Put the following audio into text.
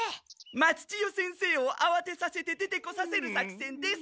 松千代先生をあわてさせて出てこさせる作戦です。